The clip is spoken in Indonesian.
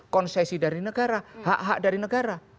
konsesi dari negara hak hak dari negara